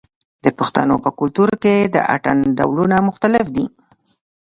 د پښتنو په کلتور کې د اتن ډولونه مختلف دي.